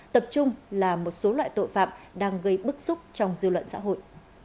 tập trung là một số loại tội phạm đang gây bức xúc trong dư luận xã hội